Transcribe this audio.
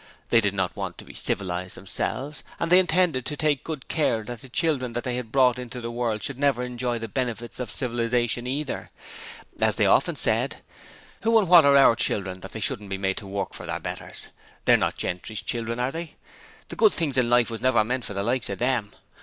They did not want to be civilized themselves and they intended to take good care that the children they had brought into the world should never enjoy the benefits of civilization either. As they often said: 'Who and what are our children that they shouldn't be made to work for their betters? They're not Gentry's children, are they? The good things of life was never meant for the likes of them.